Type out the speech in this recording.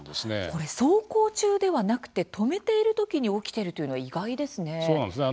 これ走行中ではなくて止めている時に起きているというのは意外ですね。